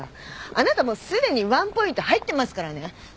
あなたもうすでに１ポイント入ってますからね。